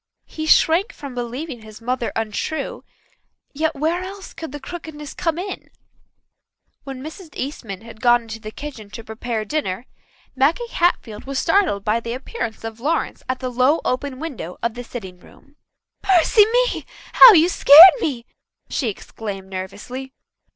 He shrank from believing his mother untrue, yet where else could the crookedness come in? When Mrs. Eastman had gone to the kitchen to prepare dinner, Maggie Hatfield was startled by the appearance of Lawrence at the low open window of the sitting room. "Mercy me, how you scared me!" she exclaimed nervously.